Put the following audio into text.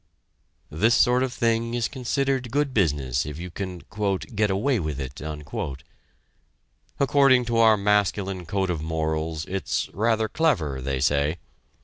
This sort of thing is considered good business, if you can "get away with it." According to our masculine code of morals it's "rather clever" they say.